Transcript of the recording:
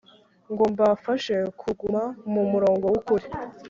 ngo mbafashe kuguma mu murongo wukuri